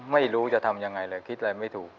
ไม่รู้จะทำยังไงเลยคิดอะไรไม่ถูก